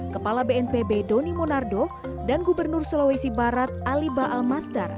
kepala bnpb doni monardo dan gubernur sulawesi barat aliba al masdar